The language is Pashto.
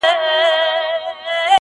ماته يې په نيمه شپه ژړلي دي.